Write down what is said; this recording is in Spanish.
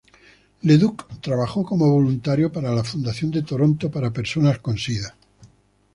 Leduc trabajó como voluntario para la Fundación de Toronto para personas con sida.